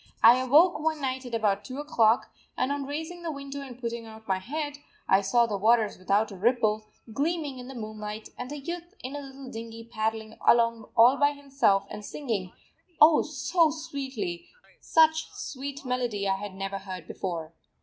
I awoke one night at about 2 o'clock, and, on raising the window and putting out my head, I saw the waters without a ripple, gleaming in the moonlight, and a youth in a little dinghy paddling along all by himself and singing, oh so sweetly, such sweet melody I had never heard before.